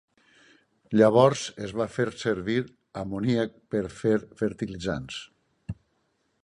Llavors es va fer servir amoníac per fer fertilitzants.